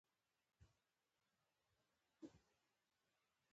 لکه پوهنتونه ، مکتبونه موزيمونه، پارکونه ، جوماتونه.